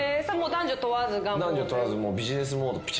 男女問わずもう。